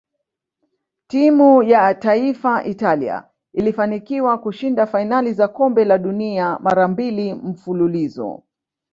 Timu ya taifa Italia ilifanikiwa kushinda fainali za kombe la dunia mara mbili mfululizo